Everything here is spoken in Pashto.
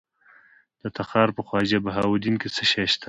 د تخار په خواجه بهاوالدین کې څه شی شته؟